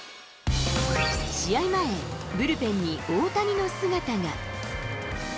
試合前、ブルペンに大谷の姿が。